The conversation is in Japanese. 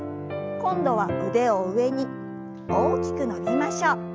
今度は腕を上に大きく伸びましょう。